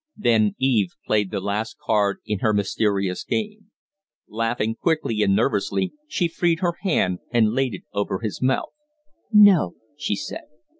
Then Eve played the last card in her mysterious game. Laughing quickly and nervously, she freed her hand and laid it over his mouth. "No!" she said.